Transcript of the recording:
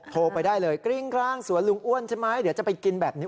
โทรไปได้เลยกริ้งกลางสวนลุงอ้วนใช่ไหมเดี๋ยวจะไปกินแบบนี้